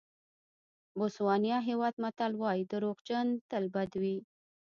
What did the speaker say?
بوسوانیا هېواد متل وایي دروغجن تل بد دي.